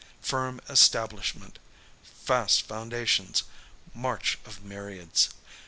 Firm establishment. Fast foundations. March of myriads.